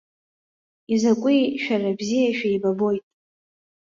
Изакәи, шәара бзиа шәеибабоит!